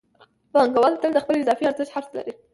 پانګوال تل د اضافي ارزښت حرص لري